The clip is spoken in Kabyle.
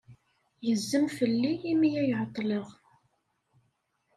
Yezzem fell-i imi ay ɛeḍḍleɣ.